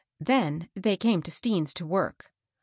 Then they came to Stean's to work.